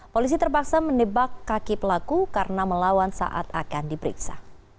polisi terpaksa menebak kaki pelaku karena melawan saat akan diperiksa